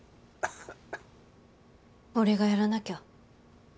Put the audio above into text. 「俺がやらなきゃ」。